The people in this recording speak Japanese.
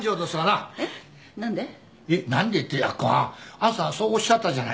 あんさんそうおっしゃったじゃないですか。